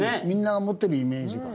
みんな思ってるイメージ。